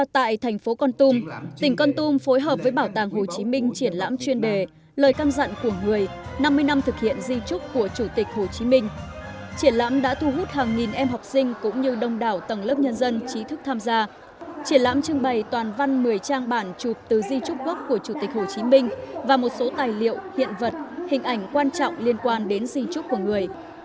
đây là một trong một mươi trang bản chụp từ di trúc gốc của chủ tịch hồ chí minh và một số tài liệu hiện vật hình ảnh quan trọng liên quan đến di trúc của người